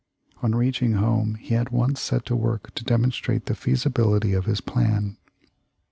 On reaching home he at once set to work to demonstrate the feasibility of his plan.